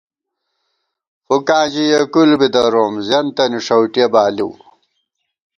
فُکاں ژِی یېکُل بی دروم ، زِیَنتَنی ݭؤٹِیَہ بالِؤ